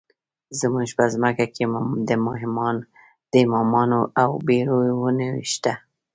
زموږ په ځمکه کې د مماڼو او بیرو ونې شته.